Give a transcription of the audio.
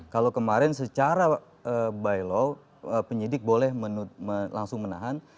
kalau kemarin secara by law penyidik boleh langsung menahan